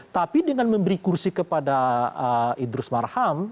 tapi dengan memberi kursi kepada idrus marham